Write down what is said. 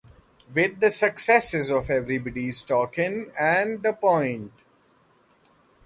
With the successes of "Everybody's Talkin'" and "The Point!